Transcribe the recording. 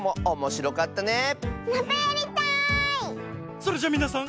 それじゃみなさん